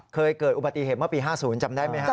เคยเกิดอุบัติเหตุเมื่อปี๕๐จำได้ไหมครับ